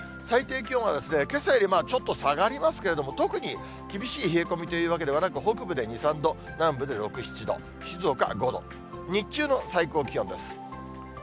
最低気温はけさよりちょっと下がりますけれども、特に厳しい冷え込みというわけではなく、北部で２、３度、南部で６、７度、静岡は５度、日中の最高気温です。